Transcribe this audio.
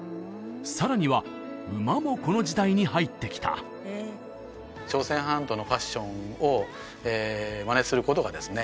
さらには馬もこの時代に入ってきた朝鮮半島のファッションをマネすることがですね